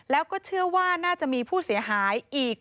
แล้วก็เชื่อว่าน่าจะมีผู้เสียหายอีก